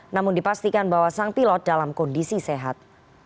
namun dipastikan bahwa sang pilot dalam kondisi sehat